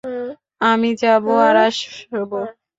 আমি যাব আর আসব।